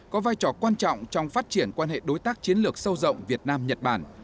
có vai trò quan trọng trong phát triển quan hệ đối tác chiến lược sâu rộng việt nam nhật bản